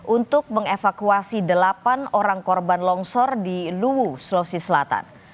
untuk mengevakuasi delapan orang korban longsor di luwu sulawesi selatan